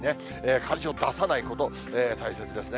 火事を出さないこと、大雪ですね。